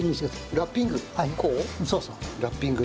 ラッピング。